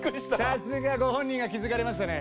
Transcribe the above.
さすがご本人が気付かれましたね。